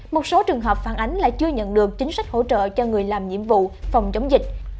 một số trường hợp phản ánh là chưa nhận được chính sách hỗ trợ cho người làm nhiệm vụ phòng chống dịch